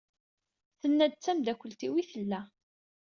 Tenna-d d tamdakelt-iw i tella.